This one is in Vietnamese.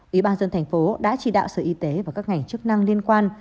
ủy ban dân thành phố đã chỉ đạo sở y tế và các ngành chức năng liên quan